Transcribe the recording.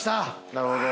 なるほど。